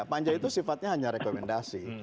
panja itu sifatnya hanya rekomendasi